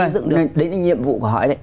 đúng rồi đấy là nhiệm vụ của họ đấy